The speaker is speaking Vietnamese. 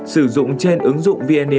sử dụng trên ứng dụng vnaid